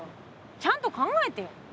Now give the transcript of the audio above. ちゃんと考えてよ。